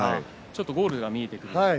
ゴールが見えてくるんですね。